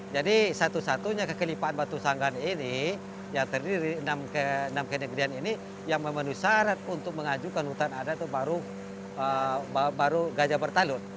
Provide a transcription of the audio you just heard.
jadi satu satunya kekelipaan batu sanggan ini yang terdiri di enam kenegrian ini yang memenuhi syarat untuk mengajukan hutan adat itu baru gajah betalut